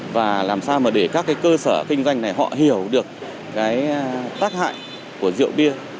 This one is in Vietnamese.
và làm sao để các cơ sở kinh doanh này họ hiểu được tác hại của rượu bia